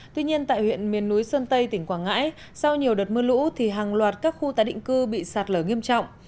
tuy nhiên tại huyện miền núi sơn tây tỉnh quảng ngãi sau nhiều đợt mưa lũ thì hàng loạt các khu tái định cư bị sạt lở nghiêm trọng